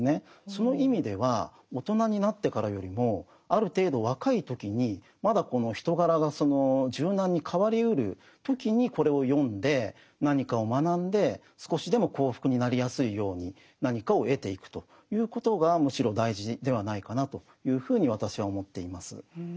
その意味では大人になってからよりもある程度若い時にまだこの人柄が柔軟に変わりうる時にこれを読んで何かを学んで少しでも幸福になりやすいように何かを得ていくということがむしろ大事ではないかなというふうに私は思っています。